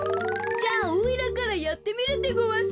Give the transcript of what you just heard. じゃあおいらからやってみるでごわす。